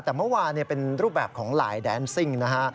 แต่เมื่อวานเป็นรูปแบบของหลายแดนซิ่งนะฮะ